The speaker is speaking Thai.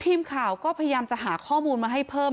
ทีมข่าวก็พยายามจะหาข้อมูลมาให้เพิ่ม